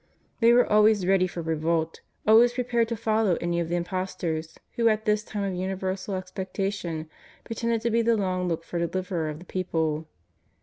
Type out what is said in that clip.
They were 7 112 JESUS OF NAZARETH. always ready for revolt, always prepared to follow any of the imposters who at this time of universal expecta tion pretended to be the long looked for Deliverer of the people.